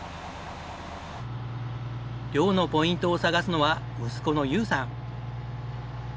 漁のポイントを探すのは息子の優さん。